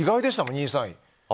２位、３位。